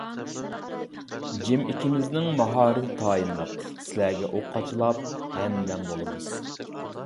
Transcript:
جىم ئىككىمىزنىڭ ماھارىتى تايىنلىق، سىلەرگە ئوق قاچىلاپ ھەمدەم بولىمىز.